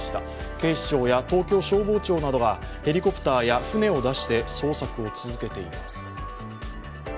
警視庁や東京消防庁などがヘリコプターや船を出して捜索を続けています。